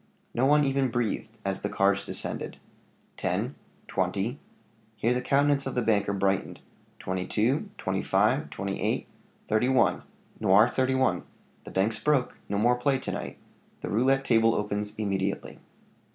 No one even breathed as the cards descended. "Ten twenty " here the countenance of the banker brightened "twenty two twenty five twenty eight thirty one' Noir 31. The bank's broke; no more play to night. The roulette table opens immediately."